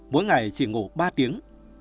mỗi ngày chỉ ngủ ba tiếng